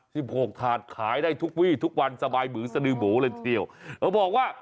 สิบหกถาดขายได้ทุกวีทุกวันสบายหมือสนือหมูเล่นเที่ยวเขาบอกว่า